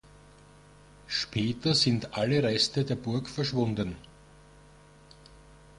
Später sind alle Reste der Burg verschwunden.